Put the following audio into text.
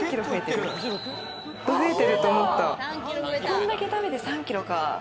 こんだけ食べて３キロか。